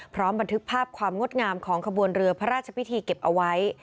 บันทึกภาพความงดงามของขบวนเรือพระราชพิธีเก็บเอาไว้